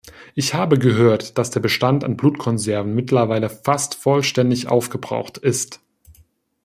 Ich habe gehört, dass der Bestand an Blutkonserven mittlerweile fast vollständig aufgebraucht ist.